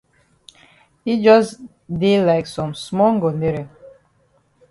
Yi jus dey like some small ngondere.